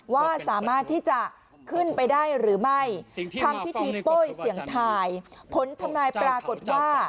ว่าสามารถที่จะขึ้นไปได้หรือไม่ทำพิธีโป้ยเสี่ยงทายผลทำนายปรากฏว่า